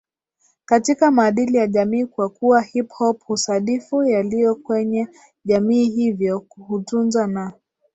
katika maadili ya jamii kwakuwa hip hop husadifu yaliyo kwenye jamii hivyo hutunza na